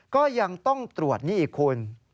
ก็ยังต้องตรวจนี่อีกคุณ